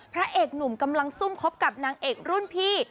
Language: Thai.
พระเอกหนุ่มกำลังซุ่มคบกับนางเอกรุ่นพี่